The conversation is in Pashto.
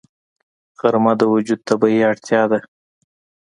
غرمه د وجود طبیعي اړتیا ده